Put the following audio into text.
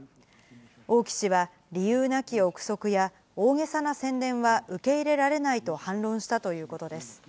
王毅氏は理由なき臆測や、大げさな宣伝は受け入れられないと反論したということです。